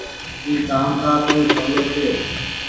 اي ڪآم ڪآ ڪونيٚ سولو ڇي۔